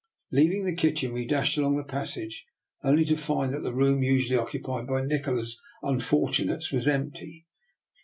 Leaving the kitchen, we dashed along the passage, only to find that the room usually occupied by Nikola's unfortunates was empty.